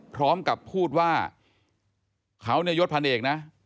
พร้อมกับพูดว่าเขาเนี่ยยศพันเอกนะ